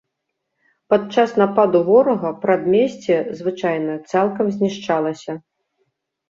Падчас нападу ворага прадмесце, звычайна, цалкам знішчалася.